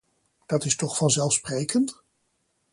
Dat is toch vanzelfsprekend?